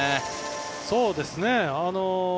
そうですね。